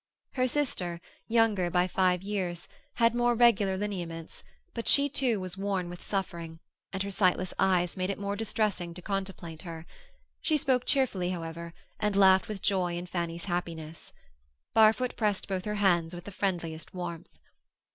Her sister, younger by five years, had more regular lineaments, but she too was worn with suffering, and her sightless eyes made it more distressing to contemplate her. She spoke cheerfully, however, and laughed with joy in Fanny's happiness. Barfoot pressed both her hands with the friendliest warmth.